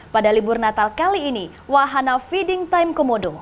pada libur natal kali ini wahana feeding time komodo